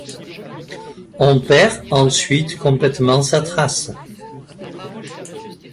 On perd ensuite complètement sa trace.